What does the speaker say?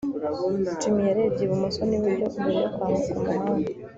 jim yarebye ibumoso n'iburyo mbere yo kwambuka umuhanda